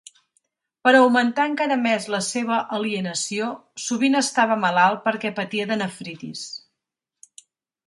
Per augmentar encara més la seva alienació, sovint estava malalt perquè patia de nefritis.